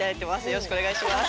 よろしくお願いします。